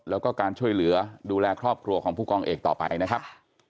แล้วก็การช่วยเหลือดูแลครอบครัวของผู้กองเอกต่อไปนะครับ